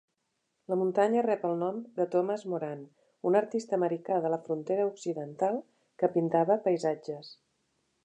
La muntanya rep el nom de Thomas Moran, un artista americà de la frontera occidental que pintava paisatges.